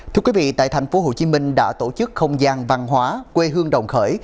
thưa quý vị tại tp hcm đã tổ chức không gian văn hóa quê hương đồng khởi